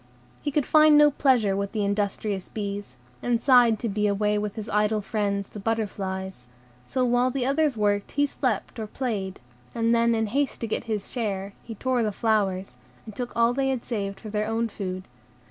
He could find no pleasure with the industrious bees, and sighed to be away with his idle friends, the butterflies; so while the others worked he slept or played, and then, in haste to get his share, he tore the flowers, and took all they had saved for their own food.